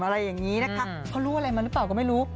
อะไรอย่างนี้นะคะเขารู้อะไรมาหรือเปล่าก็ไม่รู้